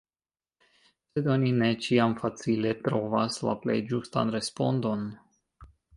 Sed oni ne ĉiam facile trovas la plej ĝustan respondon.